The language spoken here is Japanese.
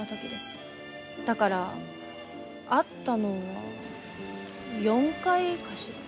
だから会ったのは４回かしら。